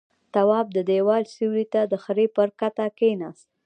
تواب د دېوال سيوري ته د خرې پر کته کېناست.